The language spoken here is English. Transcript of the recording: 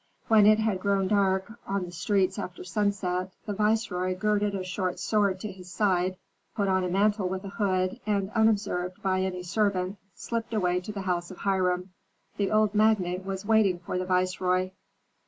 When it had grown dark on the streets after sunset, the viceroy girded a short sword to his side, put on a mantle with a hood, and unobserved by any servant, slipped away to the house of Hiram. The old magnate was waiting for the viceroy.